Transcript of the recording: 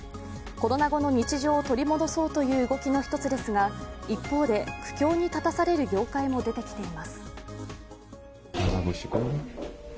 コロナ後の日常を取り戻そうという動きの一つですが一方で苦境に立たされる業界も出てきています。